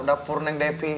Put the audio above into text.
dapurneng depi tuh